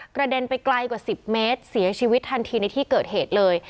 เด็นไปไกลกว่า๑๐เมตรเสียชีวิตทันทีในที่เกิดเหตุเลย